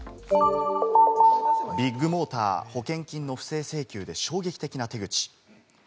ビッグモーター、保険金の不正請求で衝撃的な手口。